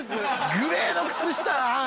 グレーの靴下ああ